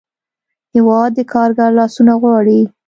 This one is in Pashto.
هېواد د کارګر لاسونه غواړي.